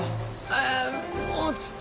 ああもうちっと。